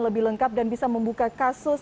lebih lengkap dan bisa membuka kasus